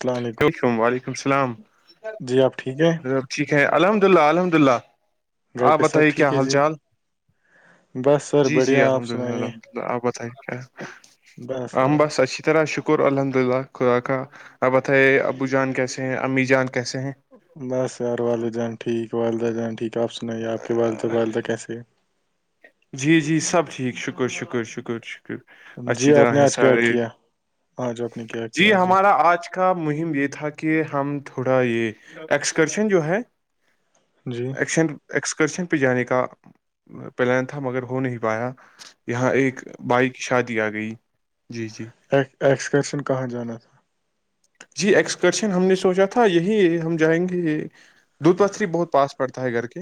السلام علیکم م وعلیکم السلام جی آپ ٹھیک ہے ٹھیک ہے الحمد اللہ الحمد للہ گھر آپ پہ سب بتائیے کیا ٹھیک ہے حال جی چال بس سر جی جی بڑھیا آپ الحمد سنائیے اللہ آبتائی کیا ہم بس اچ ذرا شکر الحمد للہ خدا کا آپ بتائے ابو جان کیسے ہیں امی جان کیسے ہیں بس یار والدہ جان ٹھیک والدہ جان ٹھیک آپ سنائیے آپ کے والدہ والدہ کیس ہے جی جی سب ٹھیک شکر شکر شکر ہیں؟ جی اچھی آپ طرح نے ہے آج کیا سار کیا آج آپ نے کیا جی کیا ہمارا آج کے کا مہم یہ تھا کہ ہم تھوڑا یہ ایکسکرشن جو ہے جی شن ایکسکرشن پہ جانے کا پلان [unintelligible] تھا مگر ہو نہیں پایا یہاں ایک بائک شادی آ گئی جی جی اکسکرشن کہاں جانات تھا [unintelligible] جی ایکسکرشن ہم نے سوچا تھا یہی ہم جائیں گے دود پتری بہت پاس پڑتا ہے گھر کی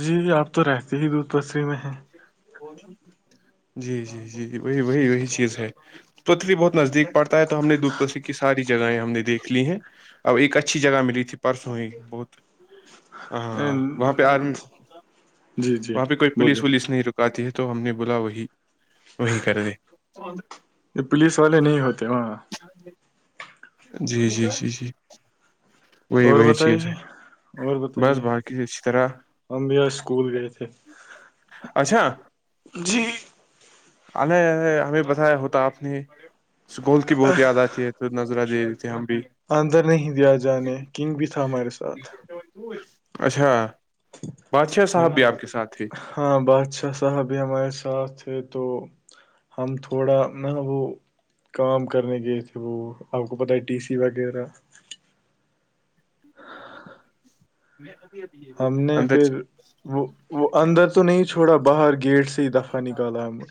جی آپ تو رہتے ہی دودھ پستری میں ہے اور [inaudible] جی جی جی جی وہی وہی وہی چیز ہے پتھی بہت نزدیک پڑتا ہے تو ہم نے دپ کی ساری چز جگہیں ہم نے دیکھ لی ہیں اب ایک اچھی جگہ ملی تھی پرسوں ہی بہت ہاں وہاں پہ آر جی جی وہاں پہ کوئی بولیے پولیس نہیں رکاتی ہے تو ہم نے بولا وہی وہییں کر د یہ پولیس والے نہیں ہوتے وہاں [unintelligible] جی جی جی جی وہی اور وہی چیز بتائیے ہے اور بس بتائیے باقی اچھی طرح ہم بیا اسکول گئے تھے اچھا جی اے ارے ہمیں بتایا ہوتا آپ نے اس گول کی بہت یاد آتی ہے [unintelligible] توود نظرہ دے دیتے ہم بھی اندر نہیں دیا جانے کنگ بھی تھا ہمارے ساتھ اچھا بادشاہ صاحب ہم بھی آپ کے ساتھ تھی ہاں بادشاہ صاحب بھی ہمارے ساتھ ہے تو ہم تھوڑا نہ وہ کام کرنے گئے تھے وہ آپ کو پتہ ہے ٹی سی وغیرہ میںتی تتی [unintelligible] ہم نے پھر وہ وہ اندر تو نہیں چھوڑا باہر گیٹ سے دفعہ نکال ہم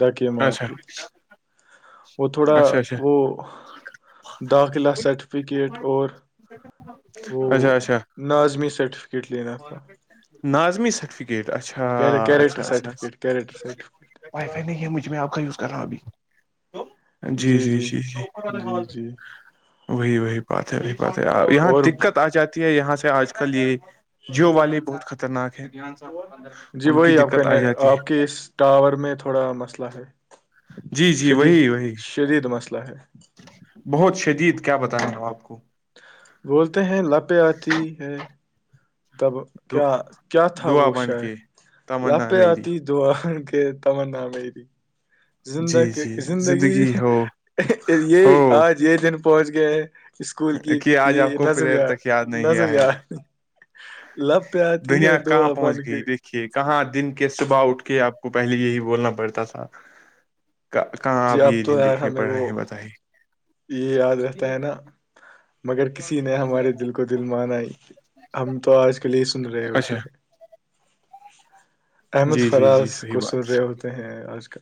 دک مارک اچھا وہ تھوڑا اچھا اچھا وہ داخلہ سرٹیفکیٹ اور وہ اچھا اچھا ناظمی سرٹیف کٹ لیینا تھا [inaudible] ناظمی سرٹفکیٹ اچھا کیریکٹر اچھا اچھا certificate character certificate wifi نہیں ہے مجھ میں آپ کا یوز کر رہا ہوں ابھی تو جی جی جی جی جی جی وہی وہی بات ہے وہی بات ہے یہاں اور دقت آ جاتی یہاں سے آج کل یہ جیو والے بہت خطرناک ہے جی ان کی وہی آپ دقت آ کہنے جاتی آپ ہے کی اس ٹاور میں تھوڑا مسئلہ ہے جی جی شد وہی وہی شدید مسئلہ ہے بہت شدید کیا بتائ ن آپ کو [unintelligible] بولتے ہیں لاپیں آتی ہے تب کیا کیا تھا دعا وہ بن شار کے تمنا لاپے میری آتی جو کہ تمر نام ہےریی زندہ جی جی زندگی ہو یہ ہو آج یہ دن پہنچ گیا ہے اسکول کی کہ آج آپ یہ کو پلیئر نظمیا تک یاد نہیں آیا نظم ہے یاار [unintelligible] لپ آتی ہے دا بن کے [unintelligible] کہ کہاں دن کے صبح اٹھ کے آپ کو پہلے یہی بولنا پڑتا تھا کہاں جی آپ یہ اب تو دن یار دیکھنے ہمیں پڑ رہے وہ ہیں بتائی یہ یاد رہتا ہے نا [unintelligible] مگر کسی نے ہمارے دل کو دل ماناائی [unintelligible] ہم تو آج کل ہی سن رہے اچھا ہوتے ہیں احمد جی جی جی فراز صحیح کو سر بات رہے ہوتے ہیں آج کل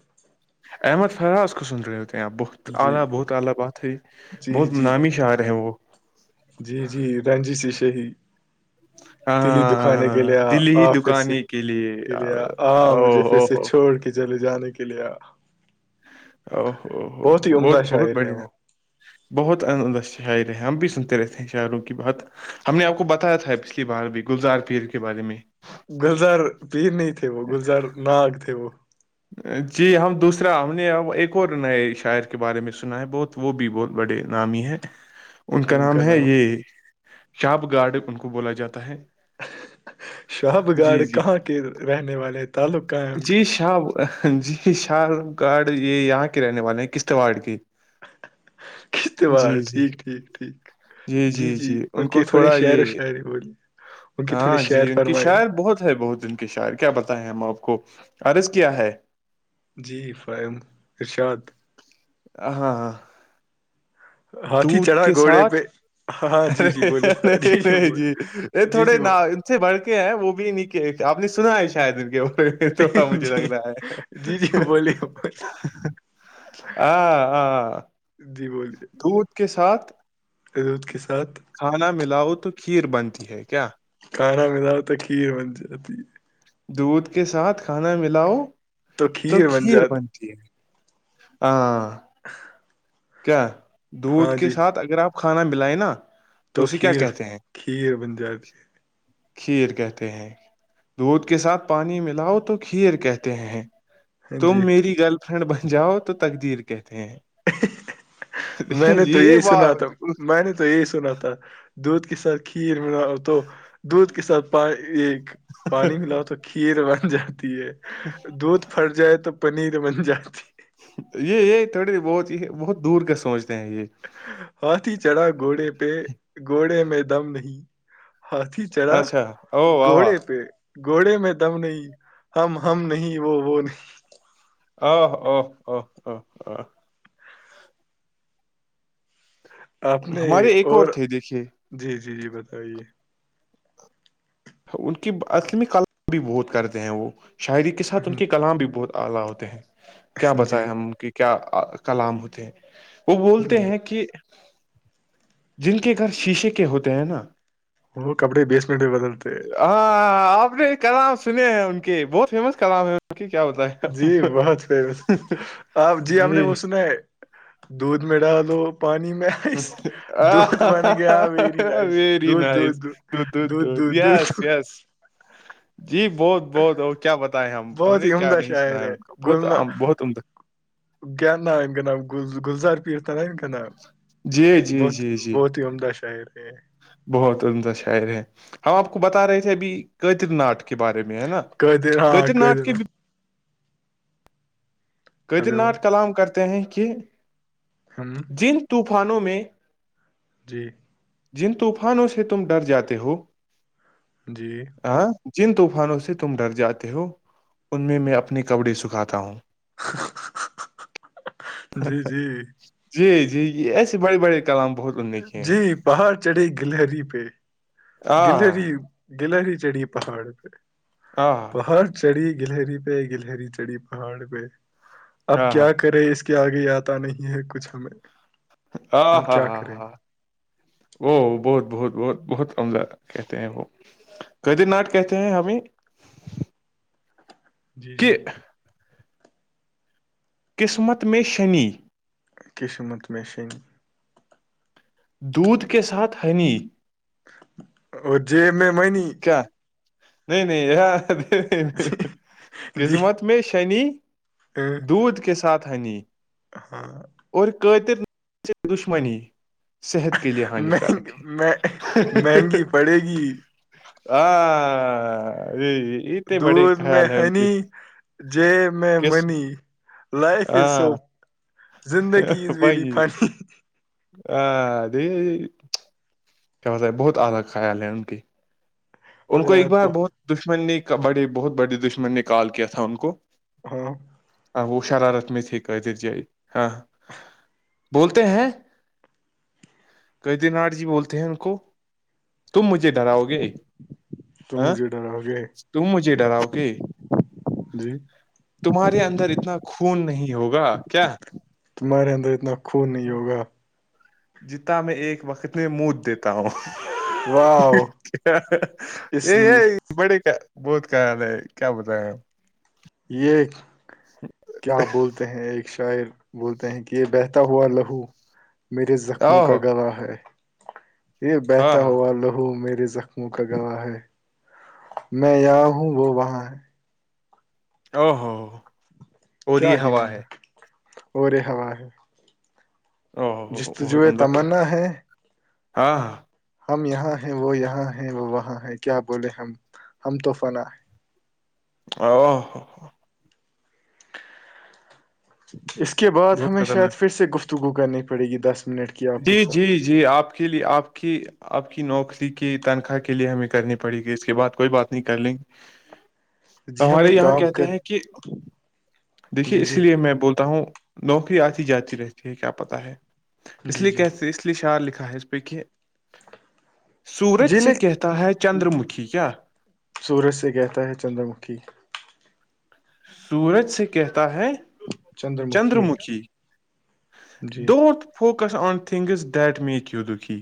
احمد فراز کو سند ر رہیو آپ بخت [unintelligible] جی اعلی بہت اعلی بات ہے جی بہت جی نامی شاعر ہیں وہ جی جی رنجی سیشے ہی ج [inaudible] تلی دکھانے کے لے آ پھر سے دکانے کے لیے لے آ او مجھے پھر ہو سے ہو چھوڑ کے چلے جانے کے لے او ہی ہو عمدہ بہت بہت شاعر ہے بڑھیا وہ بہتد شاعر ہے ہم بھی سنتے رہتے ہیں شاہروں کی بات ہم نے آپ کو بتایا تھا پچھلی بار بھی گلزار پیر کے بارے میں گلزر پیر نہیں تھے وہ گلزر ناگ تھے وہ جی ہم دوسرا ہم نے اب ایک اور نئے شاعر کے بارے میں سنا ہے بہت وہ بھی بہت بڑے نامی ہیں ان کا نام ہے یہ شاپ گارڈ ان کو بولا جاتا ہے [inaudible] شہب گارڈ جی جی کہاں کے رہنے والے تھ [inaudible] جی شاہ جی شاہ گاڈ یہ یہاں کے رہنے والے ہیں کشتواڑ کے [inaudible] کستے جی بار جی ٹھیک ٹھیک ٹھیک [inaudible] جی جی ان کے تھوڑے شاعر و شاعری بولیے ان کے تھوڑے ہاں جی شعر ان کی فرمائیے شاعر بہت ہے بہت دن شاعر کیا بتائیں ہم آپ کو ارس کیا ہے جی فراہم ارشاد [inaudible] ہ ہاں ہاں ہاتھی دودھ چڑھا کے گھوڑے ساتھ پہ ہاں ار جی جی بولے فہد۔ نہیں جی ب نہیں جی یہ جی تھوڑے جی وہ- نام [inaudible] اچھے بڑھ کے ہیں وہ بھی نے آپ نے سنا ہے شاید ان کے وہ چھوٹا مجھے جی لگ رہا جی جی ہے بولیے [inaudible] آ آ [inaudible] جی بولیے رود کے ساتھ [inaudible] کھانا ملاؤ تو کھیر بنتی ہے کیا کھانا ملا ہو تو کھیر بن جاتی ہے [inaudible] دودھ کے ساتھ کھانا ملاؤ تو کھیر بن ہاں [inaudible] ج [inaudible] کیا دودھ کے ساتھ اگر آپ کھانا ملائیں نا تو اسے کیا کہتے ہیں کھیر بن جاتی کھیر کہتے ہیں دودھ کے ساتھ پانی ملاؤ تو کھیر کہتے ہیں ہاں تم جی میری گرل فرینڈ بن جاؤ تو تقدیر کہتے ہیں میں نے جی تو یہ یہی واہ سنا تھا میں نے تو یہی سنا تھا [inaudible] دودھ کے ساتھ کھیر میںنا تو دودھ کے ساتھ پ یہ پانی ملاؤ تو کھیر بن جاتی ہے ہ [inaudible] دودھ پھٹ جائے تو پنیر بن جاتی ہے۔ یہ یہ تھوڑی بہت بہت دور کا سوچتے ہیں یہ ہاتاتھی چڑھا گھوڑے پہ گھوڑے میں دم نہیں ہاتھی چڑا اچھا او واہ واہ گھوڑے پہ گھوڑے میں دم نہیں ہم ہم نہیں وہ وہ نہیں آ آ آ [inaudible] ہ آ [inaudible] آپ نے ہمارے ایک اور تھے دیکھیے جی جی جی بتائیے ان کی عصمی کلام بھی بہت کرتے ہیں وہ شاعری کے ساتھ ان کے کلام بھی بہت ہوتے ہیں کیا جی بتائے ہم کی کیا کلام ہوتے ہیں وہ بولتے ہیں کہ جن کے گھر شیشے کے ہوتے ہیں نا وہ کپڑے بیسمنٹ بھی بدلتے ہیں ہاں آپ نے کلام سنے ہیں ان کے بہت فیمس کلام ہے ان کیا ہوتا ہے جی بہت فیمس آپ جی آپ نے وہ سنا ہے دودھ میں ڈالو پانی میں آئس دودھ بن گیا ویری نائس ویری دودھ نائس دودھ دودھ دودھ دور دودھ یاس دودھ جی بہت بہت کیا بتائےیں ہم ہم بہت نے ہی کیا عمدہ نہیں سنا شاعر ہے ان کو بہت بہت عمدہ گام کے نب گل گلزار پٹ تھار کے نب جی جی بہت جی جی بہت ہی عمدہ شار ہے بہت عمدہ شاعر ہے ہم آپ کو بتا رہے تھے ابھی کیتر ناٹ کے بارے میں ہے نا قدر ہاں کیتر نھ قدر کے ہلو قیدرناٹ کلام کرتے ہیں کہ ہم جن طوفانوں میں جی جن طوفانوں سے تم ڈر جاتے ہو جی جن طوفانوں سے تم ڈر جاتے ہو ان میں میں اپنے کپڑے سکھاتا ہوں [inaudible] جی جی جی جی ایسے بڑے بڑے کلام بہت نے کیے ہیں جی پہاڑ چڑھھی گلہری پہ آ گلری گلری چڑے پہاڑ پ ہاں پہاڑ چڑھی گلری پہ گلری چڑھی پہاڑ پہ اب ہاں ہاں کیا کرے اس کہ آگے آتا نہیں ہے کچھ ہمیں ہاں ہم ہاں کیا ہاں کریں ہاں وہو بہت بہت بہت بہت عمدہ کہتے ہیں وہ کد ناٹ کہتے ہیں ہمیں کہ جی قسمت میں شنی قشمت مشن دودھ کے ساتھ ہنی اور میں منی کیا نہیں نہیں جی قسمت میں شنی اہ، دودھ کے ساتھ ہنی ہاں اور قطر دشمنی صحت کے لیے مہنگ ہانیکارک ہے جی ہاں اتنے بڑے دھ میں خیال ہے ان کی ہنی جی میں کس منی لائف از ہاں سو زندگی از ویری وہی فنی آ اد [unintelligible] کیا ہوتا ہے بہت اعھا خیال ہے ان کے ان کو ایک بار بہت دشمن نے بڑے بہت بڑے دشمن نے کال کیا تھا ان کو ہاں وہ شرارت میت قدر ہاں بولتے ہیں قید ناتھ جی بولتے ہیں ان کو تم مجھے ڈرا گے تم مجھے ڈراؤ گے تم مجھے ڈراؤ گے جی تمہارے اندر اتنا خون نہیں ہوگا کیا تمہارے اندر اتنا خون نہیں ہوگا جتا میں ایک وقت میں موت دیتا تاؤ واہ کیا اس یہ ہے ل- بڑے کا بہت خیال ہے کیا بتے یہ کیا بول ہیں ایک شاعر بولتے ہیں کہ یہ بہتا ہوا لہو میرے زخموں کا اوہ گلا ہے یہ ہاں بہتا ہاں ہوا لہو میرے زخم کا گواہ ہے میں یہاں ہوں وہ وہاں ہے او ہو اور کیا یہ ہی ان ہوا ہے اور رے ہا ہے او ہو جس تج بہت عمدہ تھا تمنا ہے ہاں ہاں ہم یہاں ہیں وہ یہاں ہے وہ وہاں ہے کیا بولے ہم ہم توفنا ہے او اس کے بعد بہت ہمیں شاید خطرناک پھر سے گفتگو کرنی پڑے گی دس منٹ کی آپ کے جی جی ساتھ جی آپ کے لیے آپ کی آپ کی نوکری کی تنخواہ کے لیے ہمیں کرنی پڑے گی اس کے بعد کوئی بات نہیں کر لیں گے جی ہم ہمارے ایک یہاں کام کہتے کر ہیں کہ دیکھیے جی اس جی لیے میں بولتا ہوں نوکری آتی جاتی رہتی ہے کیا پتا ہے اس جی لیے کہ جی ا اس لیے شعر لکھا ہے کہ سورج جی سے لے کہتا ہے چندر مکھی کیا سورج سے کہتا ہے چندر مکھی سورج سے کہتا ہے Chandramukhi ji don't focus on things that make you دکھیی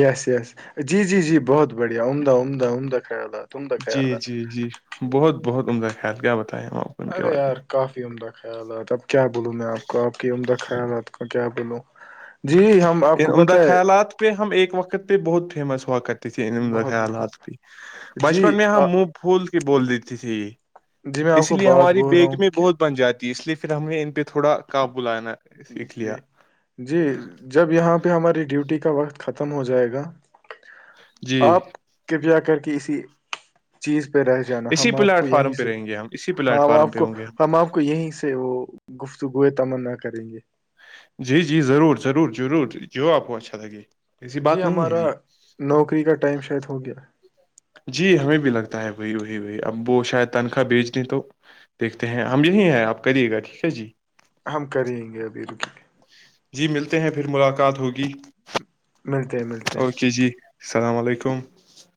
یس یس جی جی جی بہت بڑھیا عمدہ عمدہ عمدہ خیالات عمدہ جی خیالات جی جی بہت بہت عمدہ خیال کیا بتائیں ہم آپ کو ان کے اگے بارے یار کافی عمدہ خیالات اب کیا بولوں میں آپ کو آپ کی عمدہ خیالات کا کیا بولوں جی ہم آپ میں ان کو عمدہ بتائے خیالات ہم ایک وقت پہ بہت فیمس ہوا کرتے تھے ان بہت بہت خیالات بھی جی بچپن میں ہم آ- پھول کے بول دیتی تھی جی میں آپ اس کو لیے بات ہماری بول رہا بیگ ہوں میں کہ بہت بن جاتی ہے اس لیے پھر ہمیں ان پہ تھوڑا قابل آنا جی جی جب یہاں پہ ہماری ڈیوٹی کا وقت ختم ہو جائے گا جی آپ کرپیا کر کے اسی چیز پہ رہ جانا اسی ہم آپ کو پلیٹ یہیں فارم پہ سے رہیں گے ہم اسی پلیٹ ہم فارم آپ پہ کو ہوں گے ہم آپ کو یہیں سے وہ گفتگو ہے تمنا کریں گے جی جی ضرور ضرور ضرور جو آپ کو اچھا لگے ایسی جی بات نہیں ہے ہمارا نوکری کا ٹائم شاید ہو گیا جی ہمیں بھی لگتا ہے وہی وہی وہی اب وہ شاید تنخواہ بیچ تو دیکھتے ہیں ہم یہی ہیں آپ کریے گا ٹھیک ہے جی ہم کریں گے ابھی رکی گے جی ملتے ہیں پھر ملاقات ہوگی ملتے ہیں ملتے ہیں اوکے جی السلام علیکم